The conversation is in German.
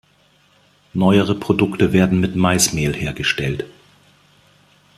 Neuere Produkte werden mit Maismehl hergestellt.